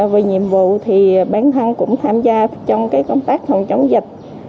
về nhiệm vụ thì bản thân cũng tham gia trong công tác phòng chống dịch